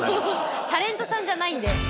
タレントさんじゃないんで。